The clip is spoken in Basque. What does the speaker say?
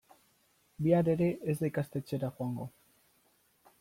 Bihar ere ez da ikastetxera joango.